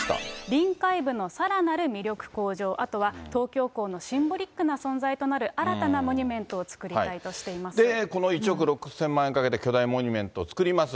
臨海部のさらなる魅力向上、あとは東京港のシンボリックな存在となる新たなモニュメントを作この１億６０００万円かけて巨大モニュメント作ります。